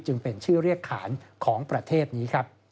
เป็นชื่อเรียกขานของประเทศนี้ครับ